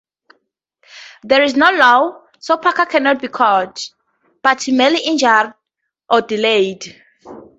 There is no law, so Parker cannot be caught, but merely injured or delayed.